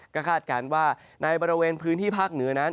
ก็คาดการณ์ว่าในบริเวณพื้นที่ภาคเหนือนั้น